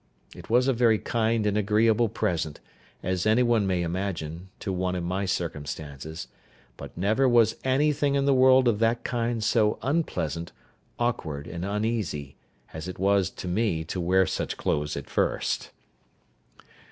It was a very kind and agreeable present, as any one may imagine, to one in my circumstances, but never was anything in the world of that kind so unpleasant, awkward, and uneasy as it was to me to wear such clothes at first.